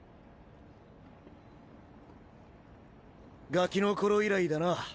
ガキの頃以来だな。